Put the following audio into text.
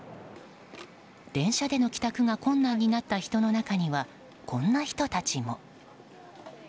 電車での帰宅が困難になった人の中には、こんな人たちも。